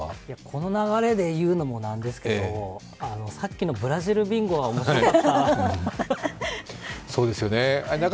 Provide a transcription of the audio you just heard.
この流れで言うのも何ですけどさっきのブラジルビンゴが面白かったな。